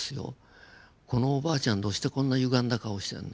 このおばあちゃんどうしてこんなゆがんだ顔してんの？